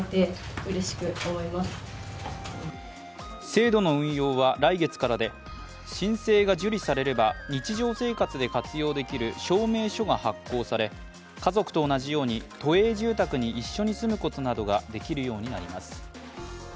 制度の運用は来月からで、申請が受理されれば日常生活で活用できる証明書が発行され家族と同じように都営住宅に一緒に住むことなどができるようになります。